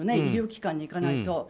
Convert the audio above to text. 医療機関に行かないと。